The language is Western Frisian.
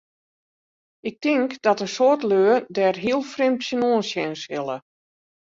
Ik tink dat in soad lju dêr hiel frjemd tsjinoan sjen sille.